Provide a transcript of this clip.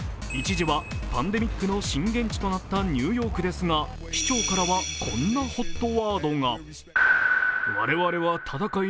一時はパンデミックの震源地となったニューヨークですが、市長からは、こんなＨＯＴワードが。